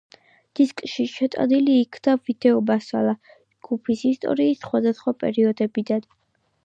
დისკში შეტანილი იქნა ვიდეომასალა ჯგუფის ისტორიის სხვადასხვა პერიოდებიდან.